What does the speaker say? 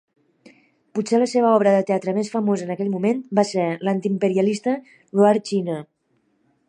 Potser la seva obra de teatre més famosa en aquell moment va ser la antiimperialista Roar China!